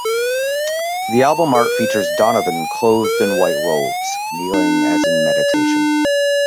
The album art features Donovan clothed in white robes, kneeling as in meditation.